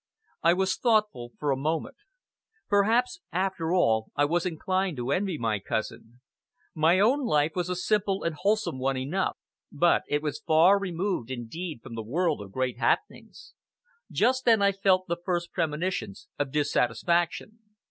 I was thoughtful for a moment. Perhaps, after all, I was inclined to envy my cousin. My own life was a simple and wholesome one enough, but it was far removed indeed from the world of great happenings. Just then, I felt the first premonitions of dissatisfaction.